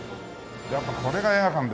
やっぱこれが映画館だよ。